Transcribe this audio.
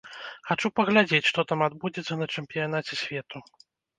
Хачу паглядзець, што там адбудзецца на чэмпіянаце свету.